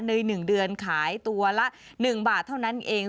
ใน๑เดือนขายตัวละ๑บาทเท่านั้นเอง